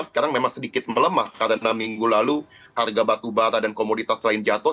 sekarang memang sedikit melemah karena minggu lalu harga batubara dan komoditas lain jatuh